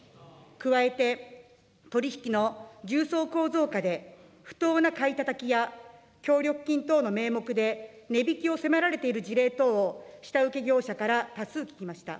加えて取り引きの重層構造化で不当な買いたたきや、協力金等の名目で値引きを迫られている事例を下請け業者から多数聞きました。